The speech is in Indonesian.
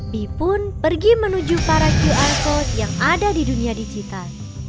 bi pun pergi menuju para qr code yang ada di dunia digital